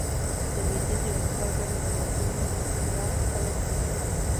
د لوېدیځې اروپا ګڼو هېوادونو لار خپله کړه.